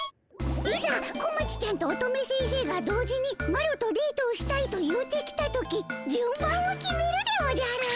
いざ小町ちゃんと乙女先生が同時にマロとデートをしたいと言うてきた時じゅんばんを決めるでおじゃる。